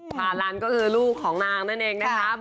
พาลันก็คือลูกของนางนั่นเองนะครับ